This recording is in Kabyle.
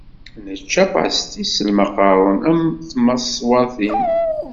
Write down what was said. Nečča pastis s lmaqarun am tmaṣwatin.